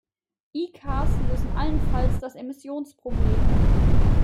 E-cars lösen allenfalls das Emissionsproblem.